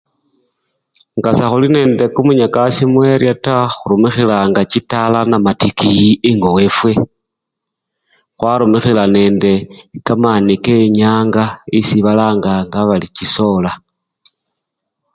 Ngasekhuli nende kumunyakasi mu-eriya ta, khurumikhilanga chitala namatikiyi engo wefwe, khwarumikhila nende kamani kenyanga esibalanganga bali chisoola.